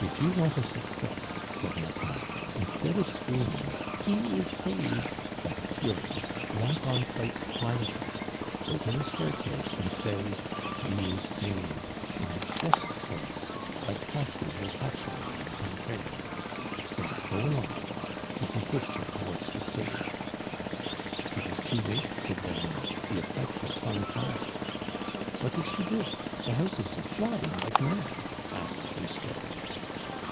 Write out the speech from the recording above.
"If you want a success," said Nathan, "instead of screaming, 'He is saved!' like a Fury, walk on quite quietly, go to the staircase, and say, 'He is saved,' in a chest voice, like Pasta's 'O patria,' in Tancreda. There, go along!" and he pushed her towards the stage. "It is too late," said Vernou, "the effect has hung fire." "What did she do? the house is applauding like mad," asked Lousteau.